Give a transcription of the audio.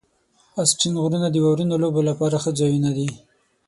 آسټرین غرونه د واورینو لوبو لپاره ښه ځایونه دي.